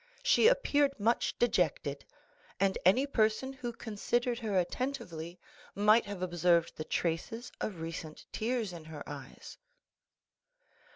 She appeared much dejected; and any person who considered her attentively might have observed the traces of recent tears in her eyes.